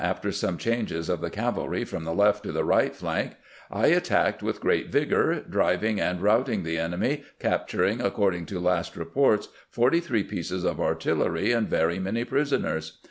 after some changes of the cavalry from the left to the right flank, I attacked with great vigor, driving and routing the enemy, capturing, according to last reports, forty three pieces of artillery and very many prisoners.